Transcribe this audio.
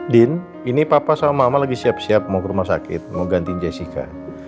din ini papa sama mama lagi siap siap mau ke rumah sakit mau gantiin jessica